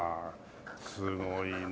すごいね。